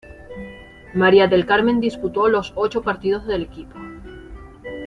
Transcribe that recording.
María del Carmen disputó los ocho partidos del equipo.